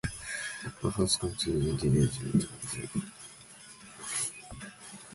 Perhaps coincidentally the Deddington Inn was licensed in December of the same year.